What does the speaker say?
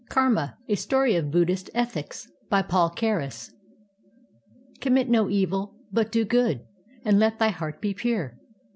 KARMA: A STORY OF BUDDHIST ETHICS » BY PAUL CARUS Commit no evil; l)ut do good And let thy heart be pure.